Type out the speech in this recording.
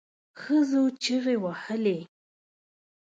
ښځو چیغې وهلې.